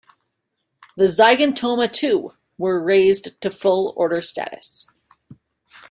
The Zygentoma too, were raised to full order status.